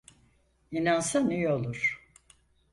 İnansan iyi olur.